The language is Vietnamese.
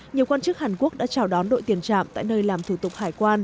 nhiều quan chức hàn quốc đã chào đón đội tiền trạm tại nơi làm thủ tục hải quan